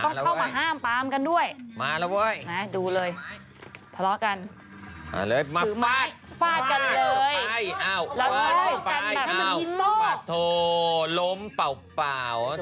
เข้ามาห้ามปามกันด้วยมาแล้วเว้ยมาดูเลยทะเลาะกันเลย